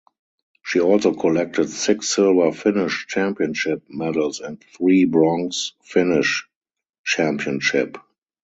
She also collected six silver Finnish Championship medals and three bronze Finnish Championship.